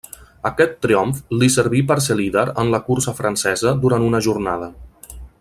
Aquest triomf li serví per ser líder de la cursa francesa durant una jornada.